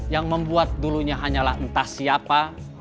yang membuat dulunya hanyalah entah siapa